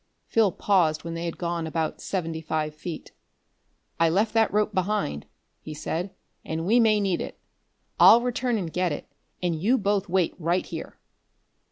Phil paused when they had gone about seventy five feet. "I left that rope behind," he said, "and we may need it. I'll return and get it, and you both wait right here."